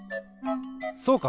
そうか！